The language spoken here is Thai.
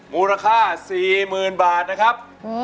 มูลค่า๔๐๐๐บาทนะครับ